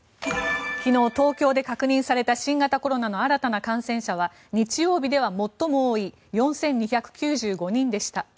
昨日、東京で確認された新型コロナの新たな感染者は日曜日では最も多い４２９５人でした。